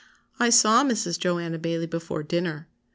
] "I saw Mrs. Joanna Baillie before dinner.